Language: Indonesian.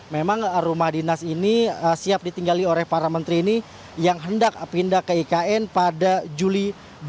memang rumah dinas ini siap ditinggali oleh para menteri ini yang hendak pindah ke ikn pada juli dua ribu dua puluh